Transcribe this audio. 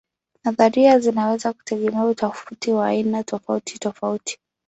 Nadharia zinaweza kutegemea utafiti wa aina tofautitofauti.